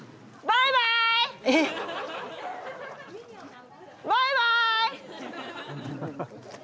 バイバーイ！